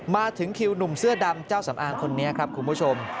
มาถึงคิวหนุ่มเสื้อดำเจ้าสำอางคนนี้ครับคุณผู้ชม